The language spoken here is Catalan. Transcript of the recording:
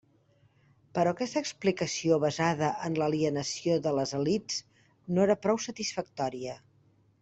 Però aquesta explicació basada en l'alienació de les elits no era prou satisfactòria.